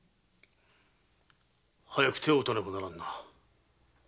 早く手を打たねばならんな。